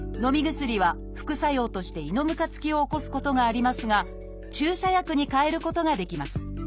薬は副作用として「胃のむかつき」を起こすことがありますが注射薬にかえることができます。